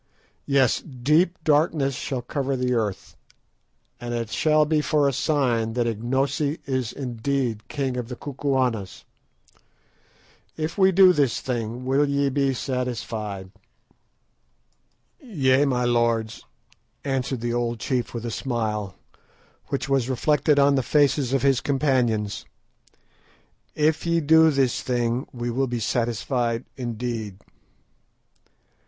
Yes, deep darkness shall cover the earth, and it shall be for a sign that Ignosi is indeed king of the Kukuanas. If we do this thing, will ye be satisfied?" "Yea, my lords," answered the old chief with a smile, which was reflected on the faces of his companions; "if ye do this thing, we will be satisfied indeed."